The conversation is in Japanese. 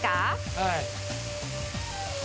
はい。